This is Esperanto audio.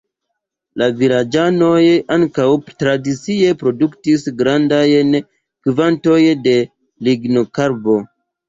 La vilaĝanoj ankaŭ tradicie produktis grandajn kvantojn de Lignokarbo.